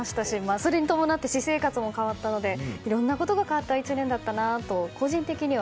それに伴って私生活も変わったのでいろんなことが変わった１年だったなと個人的には。